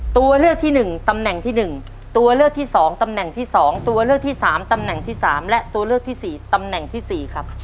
ตัวเลือกที่๑ตำแหน่งที่๑ตัวเลือกที่๒ตำแหน่งที่๒ตัวเลือกที่๓ตำแหน่งที่๓และตัวเลือกที่๔ตำแหน่งที่๔ครับ